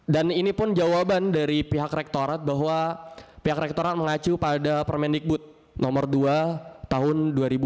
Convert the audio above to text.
dan ini pun jawaban dari pihak rektorat bahwa pihak rektorat mengacu pada permendikbud nomor dua tahun dua ribu dua puluh empat